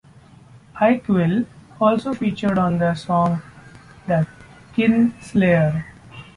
Ike Vil also featured on their song "The Kinslayer".